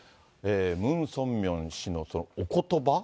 ムン・ソンミョン氏のそのおことば。